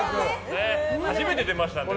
初めて出ましたのでね。